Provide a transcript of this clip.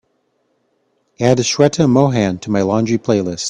Add shweta mohan to my laundry playlist